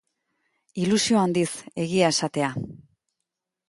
Ilusio handiz, egia esatea.